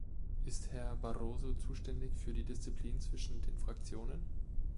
Ist Herr Barroso zuständig für die Disziplin zwischen den Fraktionen?